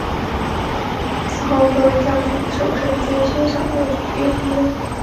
此后各位将领守臣皆升赏有别。